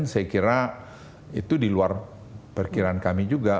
saya kira itu diluar perkiraan kami juga